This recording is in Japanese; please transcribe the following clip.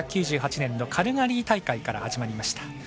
１９９８年のカルガリー大会から始まりました。